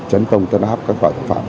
chấn công tân áp các loại tội phạm